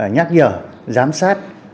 nhắc nhở giám sát